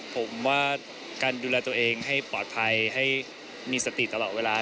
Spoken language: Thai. ผมว่าการดูแลตัวเองให้ปลอดภัยให้มีสติตลอดเวลา